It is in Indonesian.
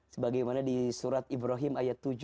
sebagaimana di surat ibrahim ayat tujuh